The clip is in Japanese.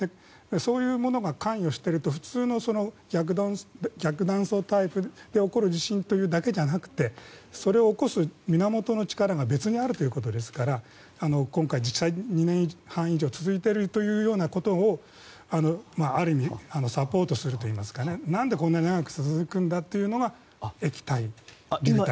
そういうものが関与していると逆断層タイプで起こる地震というだけじゃなくてそれを起こす源の力が別にあるということですから今回、実際２年半以上続いているというようなことをある意味サポートするといいますかなんでこんなに長く続くんだということは、流体。